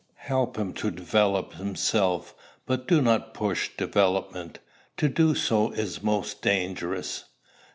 Help him to develop himself, but do not push development. To do so is most dangerous.